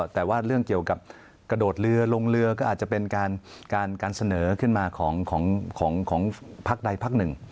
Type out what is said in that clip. แต่ว่าเรื่องเกี่ยวกับกระโดดเรือลงเรือก็อาจจะเป็นการเสนอขึ้นมาของพักใดพักหนึ่ง